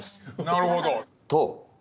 なるほど。